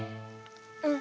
うん。